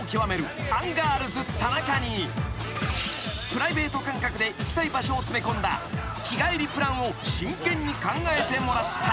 ［プライベート感覚で行きたい場所を詰め込んだ日帰りプランを真剣に考えてもらった］